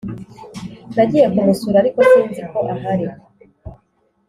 Nagiye kumusura ariko sinziko ahari